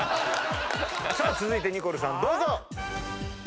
続いてニコルさんどうぞ！